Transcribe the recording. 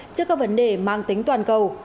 trước các vấn đề mang tính toàn cầu